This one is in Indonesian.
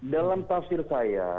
dalam tafsir saya